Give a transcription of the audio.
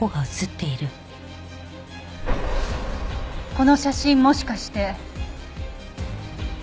この写真もしかして。